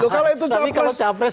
kalau itu capres